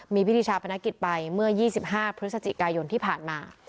มีพิธิชาพนักกิจไปเมื่อยี่สิบห้าพฤศจิกายนที่ผ่านมา